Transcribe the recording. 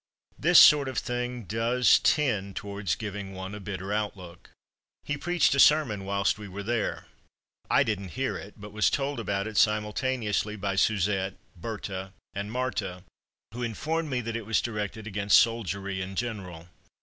This sort of thing does tend towards giving one a bitter outlook. He preached a sermon whilst we were there. I didn't hear it, but was told about it simultaneously by Suzette, Berthe and Marthe, who informed me that it was directed against soldiery in general.